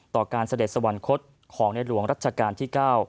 ต่อการเสด็จสวรรคตของในหลวงรัชกาลที่๙